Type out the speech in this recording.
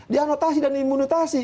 di anotasi dan minutasi